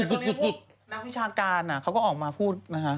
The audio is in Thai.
หยิกนักวิชาการเขาก็ออกมาพูดนะคะ